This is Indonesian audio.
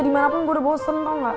dimanapun gue udah bosen tau gak